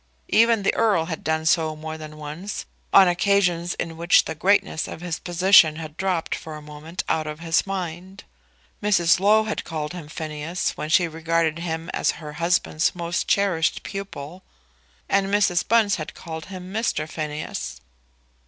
Even the Earl had done so more than once on occasions in which the greatness of his position had dropped for a moment out of his mind. Mrs. Low had called him Phineas when she regarded him as her husband's most cherished pupil; and Mrs. Bunce had called him Mr. Phineas.